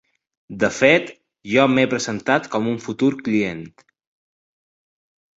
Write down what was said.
De fet, jo m'he presentat com un futur client.